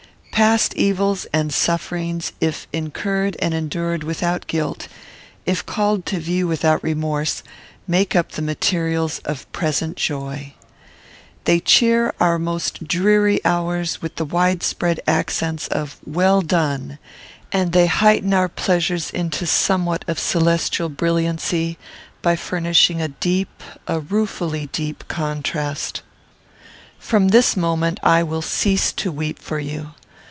Past evils and sufferings, if incurred and endured without guilt, if called to view without remorse, make up the materials of present joy. They cheer our most dreary hours with the widespread accents of 'well done,' and they heighten our pleasures into somewhat of celestial brilliancy, by furnishing a deep, a ruefully deep, contrast. "From this moment, I will cease to weep for you.